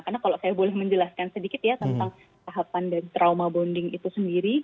karena kalau saya boleh menjelaskan sedikit ya tentang tahapan trauma bonding itu sendiri